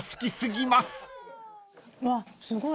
うわっすごい。